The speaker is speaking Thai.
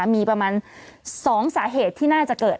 มีประมาณ๒สาเหตุที่น่าจะเกิด